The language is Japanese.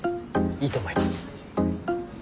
いいと思います。